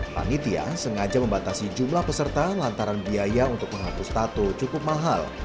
panitia sengaja membatasi jumlah peserta lantaran biaya untuk menghapus tato cukup mahal